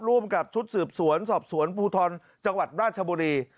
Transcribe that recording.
ร่วมกับชุดสืบสวนสอบสวนภูทรจังหวัดราชบุรี